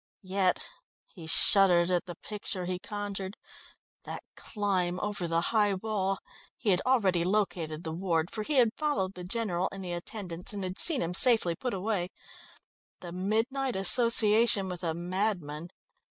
Yet he shuddered at the picture he conjured that climb over the high wall (he had already located the ward, for he had followed the General and the attendants and had seen him safely put away), the midnight association with a madman....